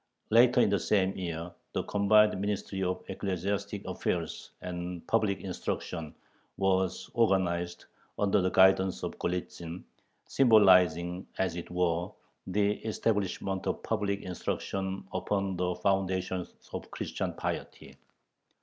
Later in the same year, the combined Ministry of Ecclesiastic Affairs and Public Instruction was organized, under the guidance of Golitzin, symbolizing, as it were, the establishment of public instruction upon the foundations of "Christian piety."